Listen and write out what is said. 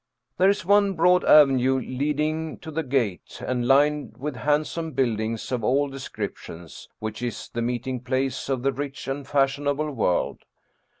There is one broad avenue leading to the Gate and lined with handsome buildings of all descriptions, which is the meeting place of the rich and fashionable world.